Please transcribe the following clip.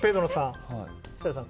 設楽さん